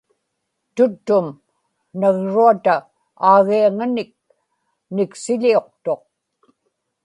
tuttum nagruata aagiaŋanik niksiḷiuqtuq